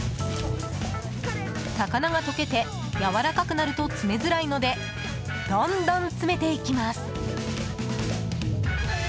魚が解けて、やわらかくなると詰めづらいのでどんどん詰めていきます。